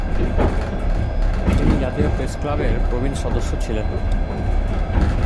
তিনি জাতীয় প্রেস ক্লাবের প্রবীণ সদস্য ছিলেন।